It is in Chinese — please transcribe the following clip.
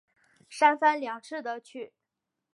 三番两次的去